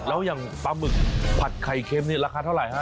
แล้วยังปลาบึกผัดไข่เข้มนี่ราคาเท่าไรฮะ